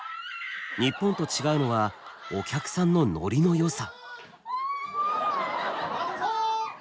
日本と違うのはお客さんのノリのよさ。